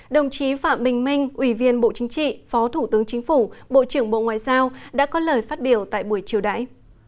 đồng chí phạm bình minh ủy viên bộ chính trị phó thủ tướng chính phủ bộ trưởng bộ ngoại giao đã có lời phát biểu tại buổi chiều đải